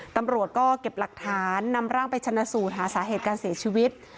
ตำรวจก็เก็บหลักฐานนำร่างไปชนะสูตรหาสาเหตุการเสียชีวิต